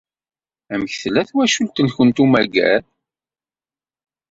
Amek tella twacult-nwent n ummager?